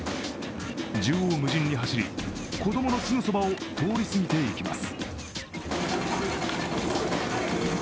縦横無尽に走り、子供のすぐそばを通り過ぎていきます。